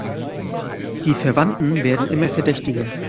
Die Verwandten werden immer verdächtiger.